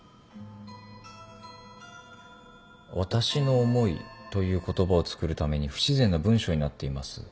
「わたしのおもい」という言葉を作るために不自然な文章になっています。